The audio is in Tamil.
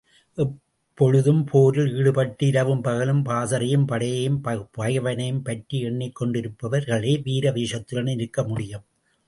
எப்போழுதும் போரில் ஈடுபட்டு, இரவும் பகலும் பாசறையையும் படையையும் பகைவனையும் பற்றி எண்ணிக்கொண்டிருப்பவர்களே வீராவேசத்துடன் இருக்க முடியும்.